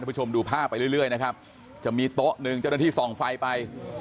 ผู้ชมดูภาพไปเรื่อยนะครับจะมีโต๊ะหนึ่งเจ้าหน้าที่ส่องไฟไป